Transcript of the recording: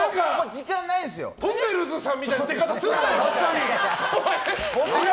とんねるずさんみたいな出方するな！